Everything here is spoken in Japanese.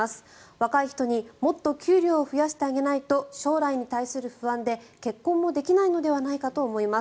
若い人にもっと給料を増やしてあげないと将来に対する不安で結婚もできないのではないかと思います。